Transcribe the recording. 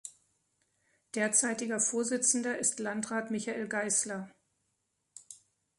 Derzeitiger Vorsitzender ist Landrat Michael Geisler.